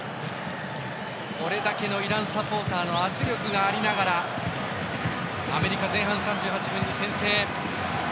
これだけのイランサポーターの圧力がありながらアメリカ、前半３８分に先制。